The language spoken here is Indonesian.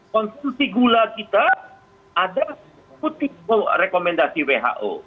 konsumsi gula kita ada putih rekomendasi who